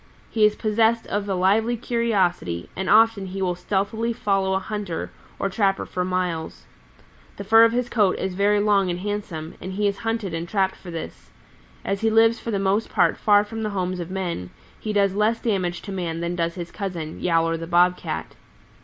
He is possessed of a lively curiosity, and often he will stealthily follow a hunter or trapper for miles. The fur of his coat is very long and handsome, and he is hunted and trapped for this. As he lives for the most part far from the homes of men, he does less damage to man than does his cousin, Yowler the Bob Cat.